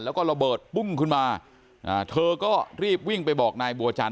แล้วก็ระเบิดปุ้งขึ้นมาเธอก็รีบวิ่งไปบอกนายบัวจันท